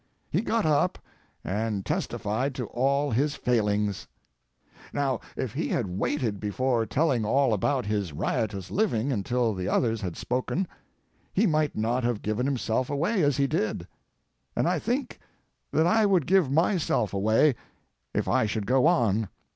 He got up and testified to all his failings. Now if he had waited before telling all about his riotous living until the others had spoken he might not have given himself away as he did, and I think that I would give myself away if I should go on.